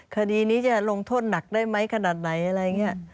คดีนี้จะลงโทษหนักได้ไหมขนาดไหนอะไรอย่างนี้